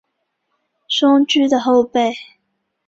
松驹的后辈。